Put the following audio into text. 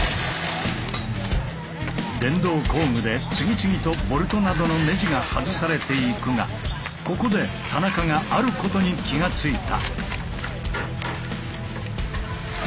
電動工具で次々とボルトなどのネジが外されていくがここで田中があることに気がついた。